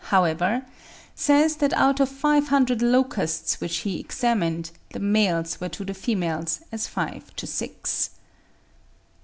however, says that out of 500 locusts which he examined, the males were to the females as five to six.